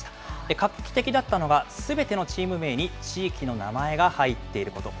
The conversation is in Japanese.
画期的だったのは、すべてのチーム名に地域の名前が入っていること。